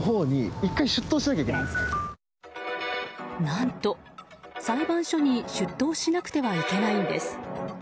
何と、裁判所に出頭しなくてはいけないんです。